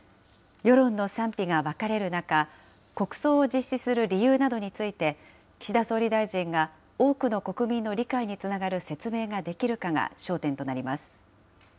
世論の賛否が分かれる中、国葬を実施する理由などについて、岸田総理大臣が、多くの国民の理解につながる説明ができるかが焦点となります。